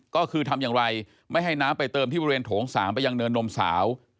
ก็คือทำอย่างไรไม่ให้น้ำไปเติมที่บริเวณโถง๓ไปยังเนินนมสาว